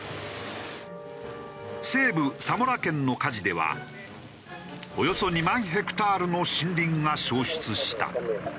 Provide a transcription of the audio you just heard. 西部サモラ県の火事ではおよそ２万ヘクタールの森林が焼失した。